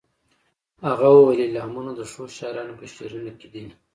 هغه وویل الهامونه د ښو شاعرانو په شعرونو کې دي